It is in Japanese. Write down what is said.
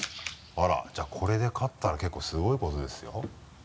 あらじゃあこれで勝ったら結構すごいことですよ。